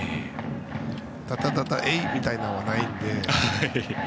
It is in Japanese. ただの、えいっ！みたいなのはないので。